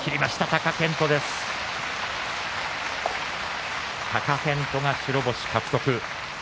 貴健斗が白星獲得。